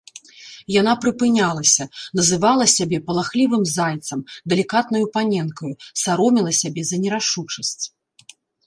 Яна прыпынялася, называла сябе палахлівым зайцам, далікатнаю паненкаю, сароміла сябе за нерашучасць.